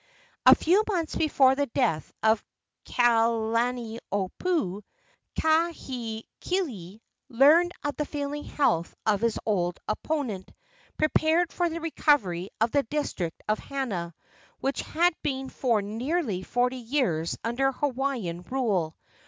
A few months before the death of Kalaniopuu, Kahekili, learning of the failing health of his old opponent, prepared for the recovery of the district of Hana, which had been for nearly forty years under Hawaiian rule.